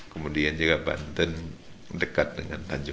kemudian juga banten dekat dengan tanjung